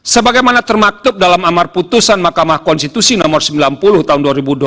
sebagaimana termaktub dalam amar putusan mahkamah konstitusi nomor sembilan puluh tahun dua ribu dua puluh